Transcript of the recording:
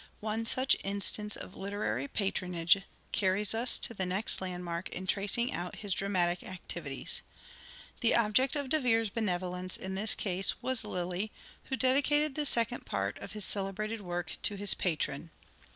One such instance of literary patronage carries us to the next landmark in tracing out his dramatic activities. The object of De Vere's benevolence in this case was Lyly, who dedicated the second part of his celebrated work to his patron.